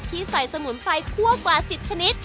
ที่ใส่สมุนไพรคั่วกว่า๑๐ชนิด